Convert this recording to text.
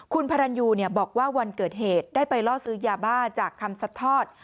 คุณพระรันยูบอกว่าวันเกิดเหตุได้ไปล่อซื้อยาบ้าจากคำสัดทอด